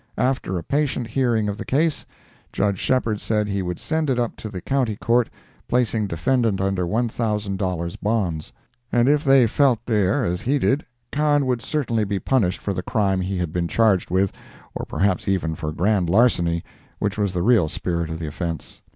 After a patient hearing of the case, Judge Shepheard said he would send it up to the County Court (placing defendant under one thousand dollars' bonds,) and if they felt there as he did, Kahn would certainly be punished for the crime he had been charged with, or perhaps even for grand larceny, which was the real spirit of the offence.